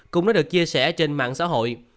cũng đã được chia sẻ trên mạng xã hội